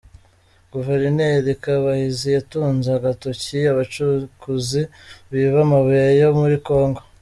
Guverineri Kabahizi yatunze agatoki abacukuzi biba amabuye yo muri kongo